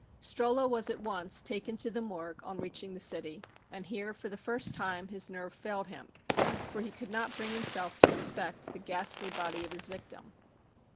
Strollo was at once taken to the morgue on reaching the city, and here for the first time his nerve failed him, for he could not bring himself to inspect the ghastly body of his victim.